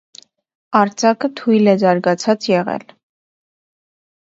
Արձակը թույլ է զարգացած եղել։